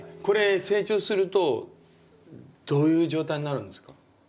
これ成長するとどういう状態になるんですか？